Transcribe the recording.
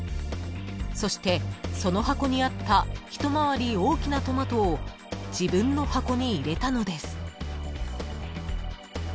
［そしてその箱にあった一回り大きなトマトを自分の箱に入れたのです］